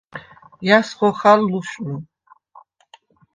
ჲა̈ს ხოხალ ლუშნუ?